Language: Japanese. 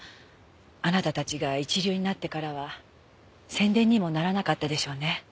あなたたちが一流になってからは宣伝にもならなかったでしょうね。